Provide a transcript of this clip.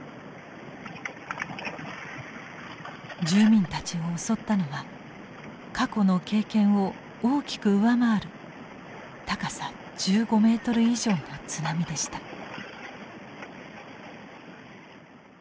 住民たちを襲ったのは過去の経験を大きく上回る高さ１５メートル以上の津波でした。